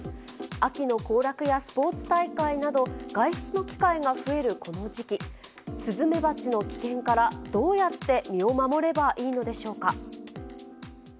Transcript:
秋の行楽やスポーツ大会など、外出の機会が増えるこの時期、スズメバチの危険からどうやって身を守ればいいのでしょうか。